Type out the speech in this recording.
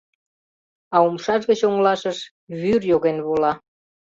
А умшаж гыч оҥылашыш вӱр йоген вола.